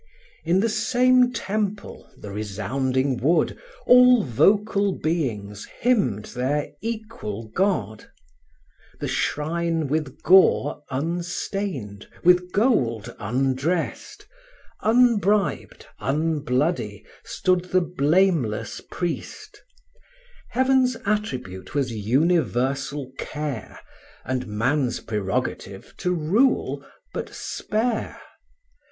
In the same temple, the resounding wood, All vocal beings hymned their equal God: The shrine with gore unstained, with gold undressed, Unbribed, unbloody, stood the blameless priest: Heaven's attribute was universal care, And man's prerogative to rule, but spare.